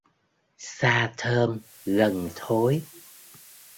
Xa thơm gần thối